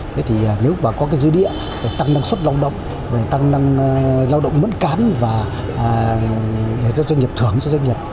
thế thì nếu mà có cái dư địa tăng năng suất lao động tăng năng lao động mất cán và doanh nghiệp thưởng doanh nghiệp